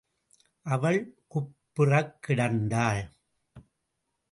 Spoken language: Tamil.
அவள் குப்புறக் கிடந்தாள்.